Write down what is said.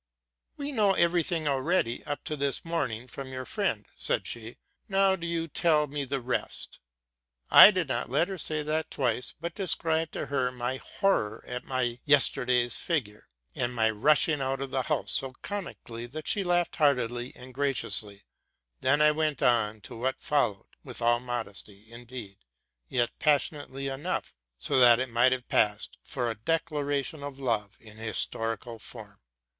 '* We know every thing already, up to this morning » from your friend,"' said she, '* now do you tell me the rest.'? I did not let her say that twice, but deseribed to her my horror at my yesterday's figure, and my rushing out of the house, so comically, that she laughed heartily and graciously: then I went on to what follow ed, with all mod esty, indeed, yet passionately enough, so that it might have passed for a declaration of love in "historical form.